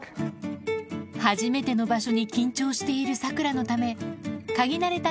初めての場所に緊張しているサクラのため嗅ぎ慣れた